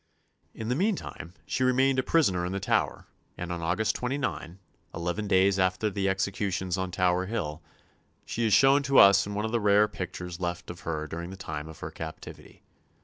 In the meantime, she remained a prisoner in the Tower, and on August 29, eleven days after the executions on Tower Hill, she is shown to us in one of the rare pictures left of her during the time of her captivity.